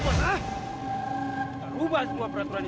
kita ubah semua peraturan ini